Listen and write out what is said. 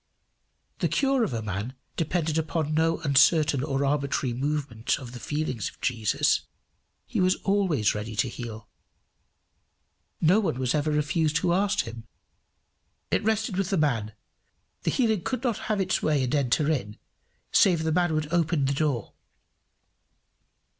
The cure of a man depended upon no uncertain or arbitrary movement of the feelings of Jesus. He was always ready to heal. No one was ever refused who asked him. It rested with the man: the healing could not have its way and enter in, save the man would open his door.